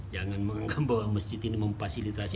jangan menganggap bahwa masjid ini memfasilitasi